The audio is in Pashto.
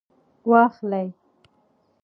واخلئ